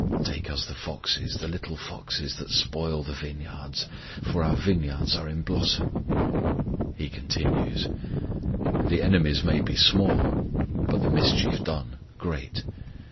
Take us the foxes, the little foxes, that spoil the vineyards; For our vineyards are in blossom, He continues. The enemies may be small, but the mischief done great.